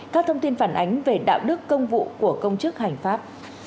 các thông tin phản ánh về đạo đức công vụ của công chức hành pháp